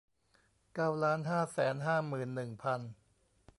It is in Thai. เก้าล้านห้าแสนห้าหมื่นหนึ่งพัน